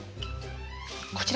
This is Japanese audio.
こちら！